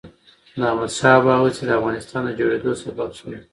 د احمد شاه بابا هڅې د افغانستان د جوړېدو سبب سوي.